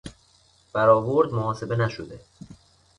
برآورد محاسبه نشده